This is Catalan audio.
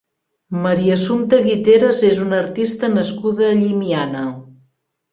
Maria Assumpta Guiteras és una artista nascuda a Llimiana.